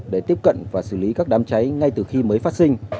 để tiếp cận và xử lý các đám cháy ngay từ khi mới phát sinh